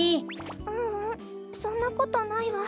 ううんそんなことないわ。